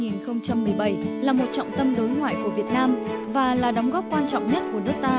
năm hai nghìn một mươi bảy là một trọng tâm đối ngoại của việt nam và là đóng góp quan trọng nhất của nước ta